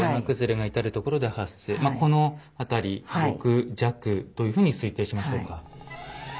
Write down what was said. まあこの辺り６弱というふうに推定しましょうか。